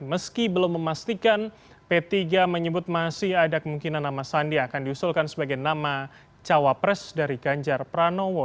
meski belum memastikan p tiga menyebut masih ada kemungkinan nama sandi akan diusulkan sebagai nama cawapres dari ganjar pranowo